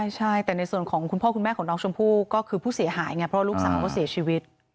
ใช่แต่ในส่วนของคุณพ่อคุณแม่ของน้องชมพู่ก็คือผู้เสียหายไงเพราะว่าลูกสาวเขาเสียชีวิต